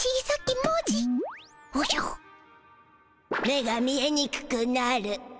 目が見えにくくなる。